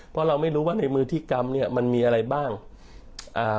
เพราะเราไม่รู้ว่าในมือที่กรรมเนี้ยมันมีอะไรบ้างอ่า